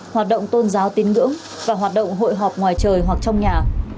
hoạt động tôn giáo tín ngưỡng và hoạt động hội họp ngoài trời hoặc trong nhà